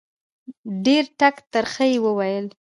ډېر ټک ترخه یې وویل.